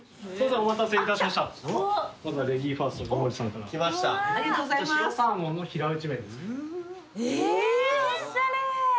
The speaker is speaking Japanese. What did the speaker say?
おしゃれ！